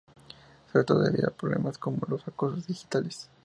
Sobre todo debido a problemas como los acosos digitales.